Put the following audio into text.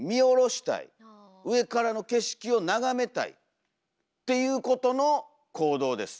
上からの景色を眺めたいっていうことの行動です。